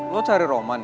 lu cari roman ya